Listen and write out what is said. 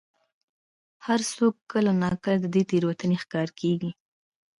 هر څوک کله نا کله د دې تېروتنې ښکار کېږي.